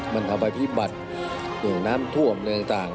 มันกำลังไปผิดบัดหนุ่มน้ำทั่วมอะไรอย่างต่าง